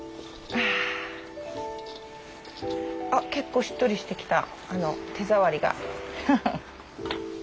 あ結構しっとりしてきた手触りが。